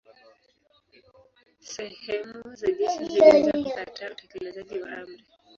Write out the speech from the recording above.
Sehemu za jeshi zilianza kukataa utekelezaji wa amri.